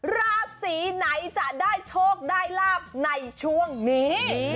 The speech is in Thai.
ราศีไหนจะได้โชคได้ลาบในช่วงนี้